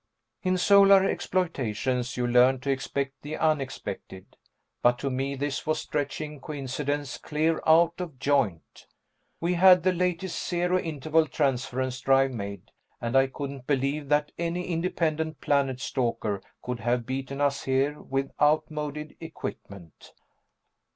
In Solar Exploitations you learn to expect the unexpected, but to me this was stretching coincidence clear out of joint. We had the latest zero interval transference drive made, and I couldn't believe that any independent planet staker could have beaten us here with outmoded equipment.